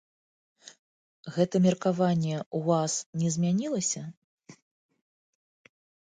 Гэта меркаванне ў вас не змянілася?